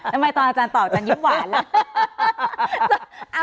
ทำไมตอนอาจารย์ตอบอาจารยิ้มหวานล่ะ